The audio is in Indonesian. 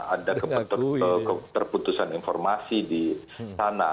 ada keputusan informasi di sana